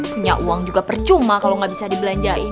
punya uang juga percuma kalau nggak bisa dibelanjain